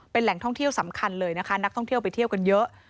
เป็นแหล่งท่องเที่ยวสำคัญเลยนะคะนักท่องเที่ยวไปเที่ยวกันเยอะ